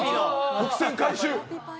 伏線回収！？